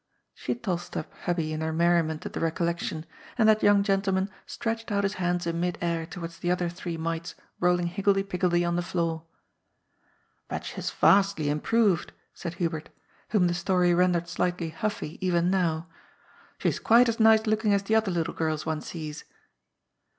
She tossed up Hubbie in her merriment at the recollection, and that young gentleman stretched out his hands in mid air towards the other three mites rolling higgledy piggledy on the floor. " But she has vastly improved," said Hubert, whom the story rendered slightly huffy even now. " She is quite as nice looking as the other little girls one sees."